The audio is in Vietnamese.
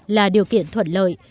là điều kiện thuận lợi